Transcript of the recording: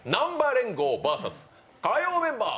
連合ＶＳ火曜メンバー